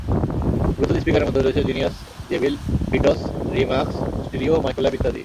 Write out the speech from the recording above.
Bluetooth স্পিকারের মধ্যে রয়েছে Genius, JBL, Beats, Remax, stereo, Microlab ইত্যাদি।